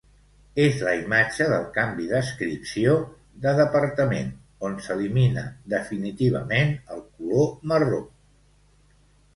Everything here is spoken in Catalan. És la imatge del canvi d'adscripció de departament, on s'elimina definitivament el color marró.